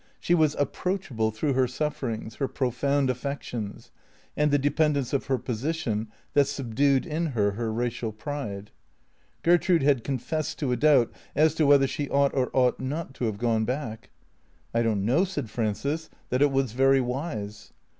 She was approachable through her sufferings, her profound affec tions, and the dependence of her position that subdued in her her racial pride. Gertrude had confessed to a doubt as to whether she ought or ought not to have gone back. " I don't know," said Frances, " that it was very wise."